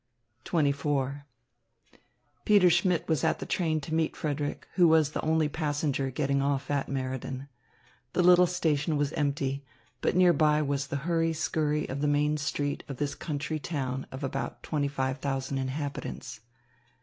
XXIV Peter Schmidt was at the train to meet Frederick, who was the only passenger getting off at Meriden. The little station was empty, but near by was the hurry scurry of the main street of this country town of about twenty five thousand inhabitants.